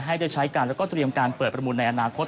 ให้ได้ใช้กันแล้วก็เตรียมการเปิดประมูลในอนาคต